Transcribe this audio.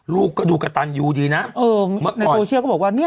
ลูกก็ดูกระตันยูดีนะเออในโซเชียลก็บอกว่าเนี่ย